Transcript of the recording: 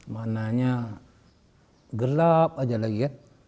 makanya gelap saja lagi